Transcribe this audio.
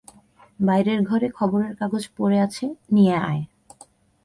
বাইরের ঘরে খবরের কাগজ পড়ে আছে, নিয়ে আয়।